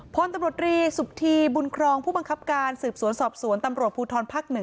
พลตำรวจรีสุธีบุญครองผู้บังคับการสืบสวนสอบสวนตำรวจภูทรภักดิ์๑